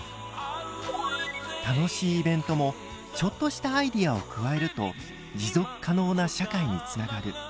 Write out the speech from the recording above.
楽しいイベントもちょっとしたアイデアを加えると持続可能な社会につながる。